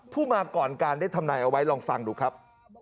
ผู้มาก่อนการได้ทำนายเอาไว้ลองฟังดูครับ